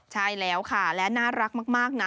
ใช่แล้วค่ะและน่ารักมากนะ